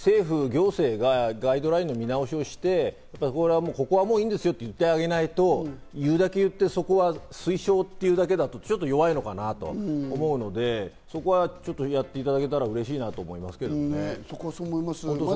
だからやっぱり、政府、行政がガイドラインの見直しをして、ここはもういいんですよと言ってあげないと、言うだけ言って推奨というだけだと弱いのかなと思うので、そこはやっていただけたら嬉しいなと思いますけどね。